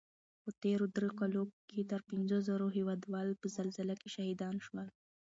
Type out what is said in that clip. په تېرو دریو کلو کې تر پنځو زرو هېوادوال په زلزله کې شهیدان شول